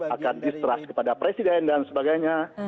akan distrust kepada presiden dan sebagainya